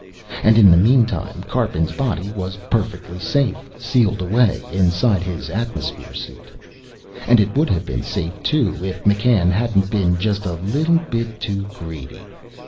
And in the meantime, Karpin's body was perfectly safe, sealed away inside his atmosphere suit. And it would have been safe, too, if McCann hadn't been just a little bit too greedy.